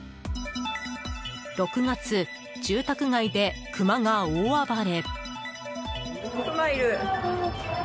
６月、住宅街でクマが大暴れ。